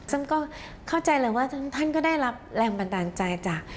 ซึ่งก็เข้าใจเลยว่าท่านก็ได้รับแรงบันดาลใจจาก